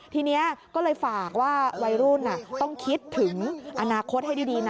ทีนี้ก็เลยฝากว่าวัยรุ่นต้องคิดถึงอนาคตให้ดีนะ